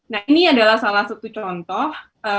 nah ini adalah salah satu contoh